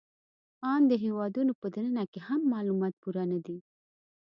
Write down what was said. آن د هېوادونو په دننه کې هم معلومات پوره نهدي